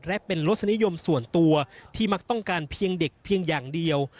และเป็นรสนิยมส่วนตัวที่มักต้องการเพียงเด็กเพียงอย่างเดียว